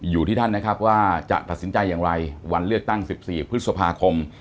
อยู่ที่ท่านนะครับว่าจะตัดสินใจอย่างไรวันเลือกตั้ง๑๔พฤษภาคม